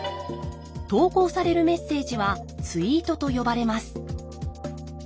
投稿されるメッセージはツイートと呼ばれます。